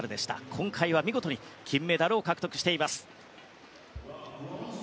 今回は見事に金メダルを獲得しています。